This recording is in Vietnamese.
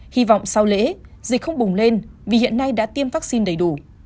hy vọng sau lễ dịch không bùng lên vì hiện nay đã tiêm vaccine đầy đủ